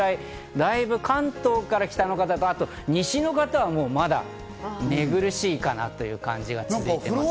関東から北の方と西の方はまだ寝苦しいかなという感じが続いてます。